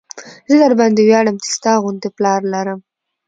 زه درباندې وياړم چې ستا غوندې پلار لرم.